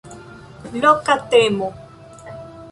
Loka temo.